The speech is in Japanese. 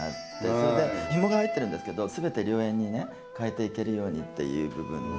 それでひもが入ってるんですけど全て良縁に変えていけるようにっていう部分の。